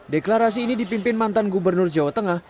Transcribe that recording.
deklarasi ini dipimpin mantan gubernur jawa tengah